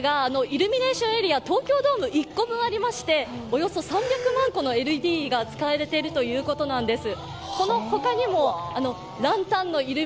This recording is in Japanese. イルミネーションエリアは東京ドーム１個分ありまして、およそ３００万個のＬＥＤが使われているということなんです。